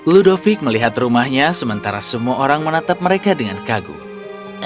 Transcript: ludovic melihat rumahnya sementara semua orang menatap mereka dengan kagum